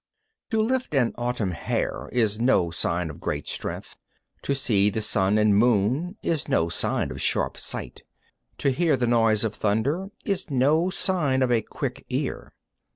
10. To lift an autumn hair is no sign of great strength; to see sun and moon is no sign of sharp sight; to hear the noise of thunder is no sign of a quick ear.